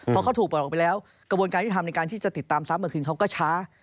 พอเขาถูกหลอกไปแล้วกระบวนการที่ทำในการที่จะติดตามทรัพย์เหมือนคืนเขาก็ช้า